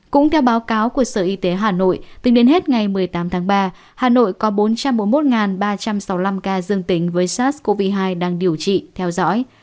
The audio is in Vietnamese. cũng theo báo cáo của sở y tế hà nội tính đến hết ngày một mươi tám tháng ba hà nội có bốn trăm bốn mươi một ba trăm sáu mươi năm ca dương tính với sars cov hai đang điều trị theo dõi